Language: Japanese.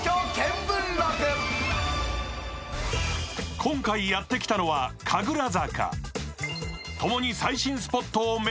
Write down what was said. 今回やってきたのは神楽坂。